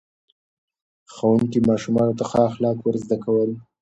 ښوونکي ماشومانو ته ښه اخلاق ور زده کړل.